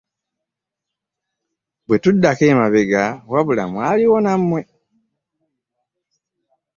Bwe tuddako emabega wabula mwaliwo nammwe.